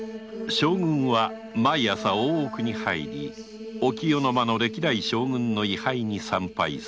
将軍は毎朝大奥に入り御清の間の歴代将軍の位牌に参拝する